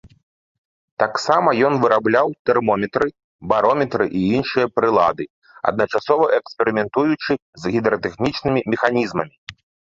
Таксама ён вырабляў тэрмометры, барометры і іншыя прылады, адначасова эксперыментуючы з гідратэхнічнымі механізмамі.